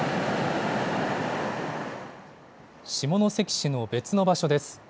下関市の別の場所です。